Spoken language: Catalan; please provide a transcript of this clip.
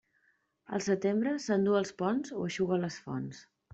El setembre s'enduu els ponts o eixuga les fonts.